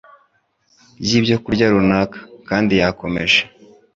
ry’ibyokurya runaka, kandi yakomeje